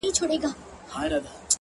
د زړه په هر درب كي مي ته اوســېږې ـ